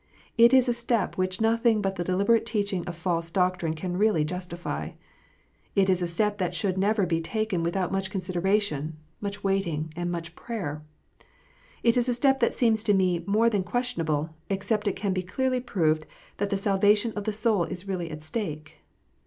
It is a step which nothing but the deliberate teaching of false doctrine can really justify. It is a step that should never be taken without much consideration, much waiting, and much prayer. It is a step that seems to me more than questionable, except it can be clearly proved that the salvation of the soul is really at stake.